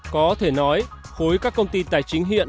có thể nói khối các công ty tài chính hiện